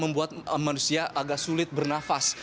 membuat manusia agak sulit bernafas